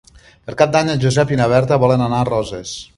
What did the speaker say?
Per Cap d'Any en Josep i na Berta volen anar a Roses.